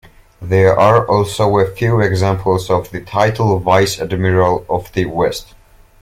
There are also a few examples of the title Vice-Admiral of the West.